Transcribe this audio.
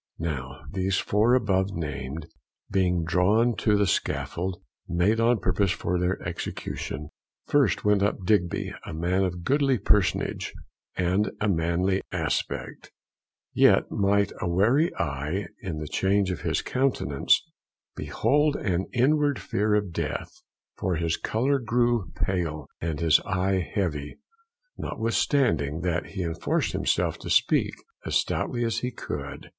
Now these four above named being drawn to the scaffold, made on purpose for their execution, first went up Digby, a man of goodly personage, and a manly aspect; yet might a wary eye, in the change of his countenance, behold an inward fear of death, for his colour grew pale and his eye heavy; notwithstanding that he enforced himself to speak, as stoutly as he could.